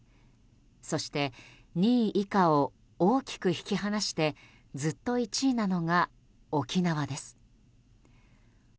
そして、２位以下を大きく引き離してずっと１位なのが沖縄です。